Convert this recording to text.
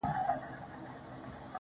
چي مرور نه یم، چي در پُخلا سم تاته~